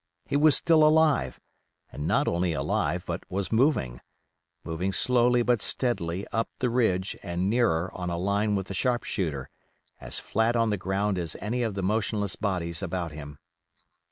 He was still alive, and not only alive, but was moving—moving slowly but steadily up the ridge and nearer on a line with the sharp shooter, as flat on the ground as any of the motionless bodies about him.